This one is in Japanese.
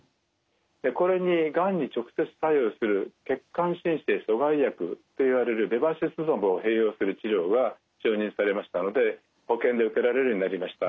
これにがんに直接作用する血管新生阻害薬といわれるベバシズマブを併用する治療が承認されましたので保険で受けられるようになりました。